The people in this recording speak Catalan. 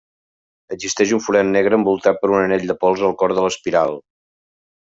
Existeix un forat negre envoltat per un anell de pols al cor de l'espiral.